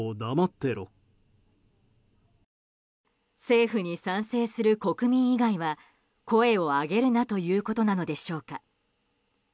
政府に賛成する国民以外は声を上げるなということなのでしょうか。